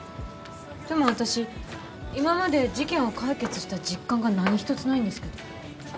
でも私今まで事件を解決した実感が何一つないんですけど。